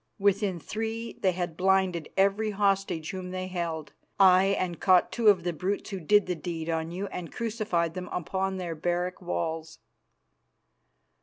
Within three they had blinded every hostage whom they held, aye, and caught two of the brutes who did the deed on you, and crucified them upon their barrack walls."